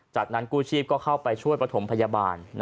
จากนั้นกู้ชีพก็เข้าไปช่วยประถมพยาบาล